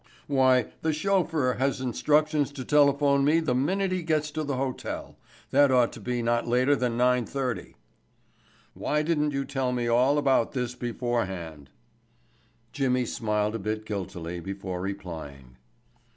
"Why, the chauffeur has instructions to telephone me the minute he gets to the hotel. That ought to be not later than nine thirty." "Why didn't you tell me all about this beforehand?" Jimmy smiled a bit guiltily before replying.